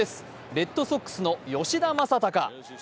レッドソックスの吉田正尚。